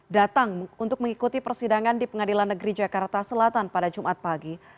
datang untuk mengikuti persidangan di pengadilan negeri jakarta selatan pada jumat pagi